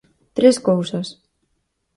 Tres cousas.